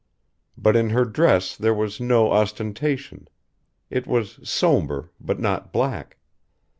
But in her dress there was no ostentation it was somber, but not black.